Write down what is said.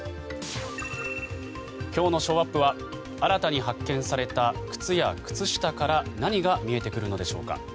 今日のショーアップは新たに発見された靴や靴下から何が見えてくるのでしょうか。